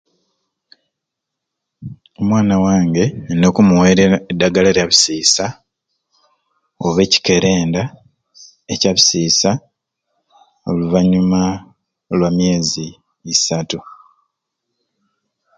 Onwana wange nyina okumuwerya edagala lya bisiisa oba ekyikerenda ekya bisiisa oluvanyuma lwa myezi isatu